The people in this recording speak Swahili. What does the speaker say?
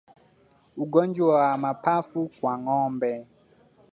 Ugonjwa wa mapafu kwa ngombe